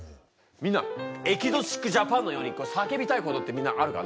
みんな「エキゾチック・ジャパン」のように叫びたいことってみんなあるか？